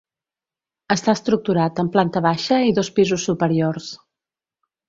Està estructurat en planta baixa i dos pisos superiors.